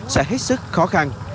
sẽ hết sức khó khăn